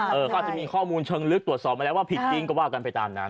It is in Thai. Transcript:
เขาอาจจะมีข้อมูลเชิงลึกตรวจสอบมาแล้วว่าผิดจริงก็ว่ากันไปตามนั้น